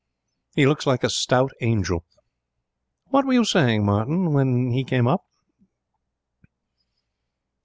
'He looks like a stout angel. What were you saying, Martin, when he came up?'